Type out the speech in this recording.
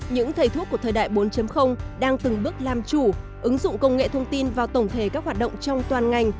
những thầy thuốc của thời đại bốn đang từng bước làm chủ ứng dụng công nghệ thông tin vào tổng thể các hoạt động trong toàn ngành